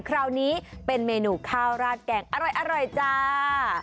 คราวนี้เป็นเมนูข้าวราดแกงอร่อยจ้า